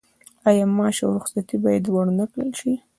آیا معاش او رخصتي باید ورنکړل شي؟